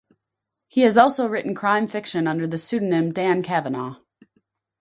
He has also written crime fiction under the pseudonym Dan Kavanagh.